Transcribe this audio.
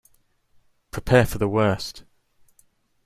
Prepare for the worst!